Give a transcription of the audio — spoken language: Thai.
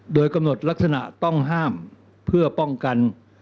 โดยกำหนดลักษณะต้องห้ามเพื่อป้องกัน